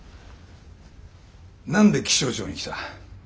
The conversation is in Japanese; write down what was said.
何で気象庁に来た？